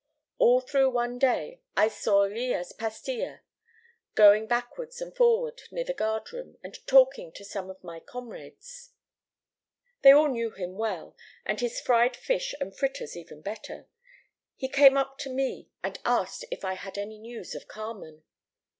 All through one day I saw Lillas Pastia going backward and forward near the guard room, and talking to some of my comrades. They all knew him well, and his fried fish and fritters even better. He came up to me, and asked if I had any news of Carmen.